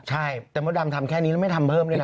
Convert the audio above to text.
ใช่แต่มดดำทำแค่นี้แล้วไม่ทำเพิ่มด้วยนะ